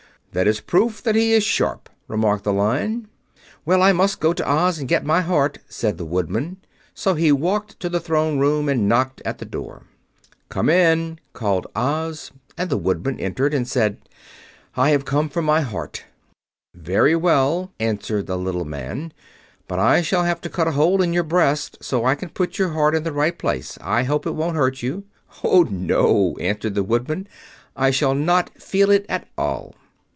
"That is proof that he is sharp," remarked the Lion. "Well, I must go to Oz and get my heart," said the Woodman. So he walked to the Throne Room and knocked at the door. "Come in," called Oz, and the Woodman entered and said, "I have come for my heart." "Very well," answered the little man. "But I shall have to cut a hole in your breast, so I can put your heart in the right place. I hope it won't hurt you." "Oh, no," answered the Woodman. "I shall not feel it at all."